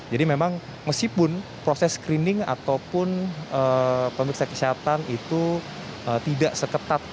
jadi memang meskipun proses screening ataupun pemirsa kesehatan itu tidak seketat